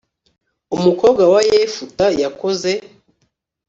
umukobwa wa yefuta yakoze